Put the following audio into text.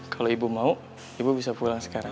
kalau ibu mau ibu bisa pulang sekarang